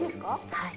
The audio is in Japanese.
はい。